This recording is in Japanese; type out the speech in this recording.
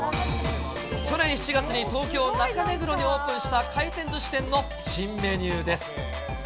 去年７月に東京・中目黒にオープンした回転ずし店の新メニューです。